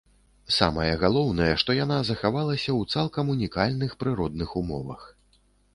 Самае галоўнае, што яна захавалася ў цалкам унікальных прыродных умовах.